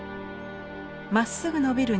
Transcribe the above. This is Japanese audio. まっすぐのびる